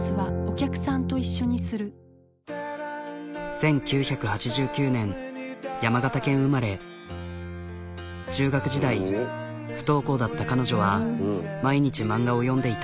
１９８９年中学時代不登校だった彼女は毎日漫画を読んでいた。